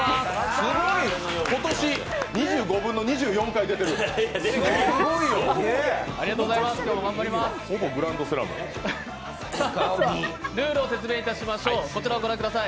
すごい、今年２５分の２４回出てる、すごいよ。